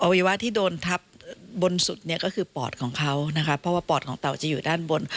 วัยวะที่โดนทับบนสุดเนี่ยก็คือปอดของเขานะคะเพราะว่าปอดของเต่าจะอยู่ด้านบน